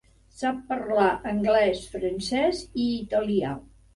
Sap parlar anglès, francès i italià.